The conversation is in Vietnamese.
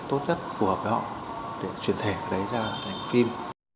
tốt nhất phù hợp với họ để truyền thề cái đấy ra thành phim